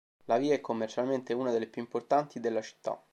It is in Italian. La via è commercialmente una delle più importanti della città.